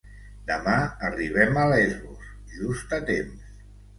Demà arribem a Lesbos, just a temps.